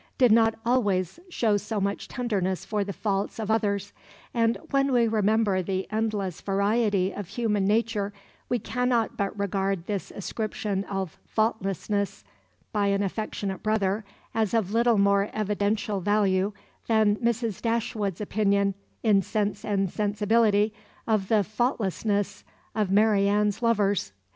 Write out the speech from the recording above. did not "always" show so much tenderness for the faults of others, and when we remember the endless variety of human nature we cannot but regard this ascription of "faultlessness" by an affectionate brother as of little more evidential value than Mrs. Dashwood's opinion (in Sense and Sensibility) of the "faultlessness" of Marianne's lovers.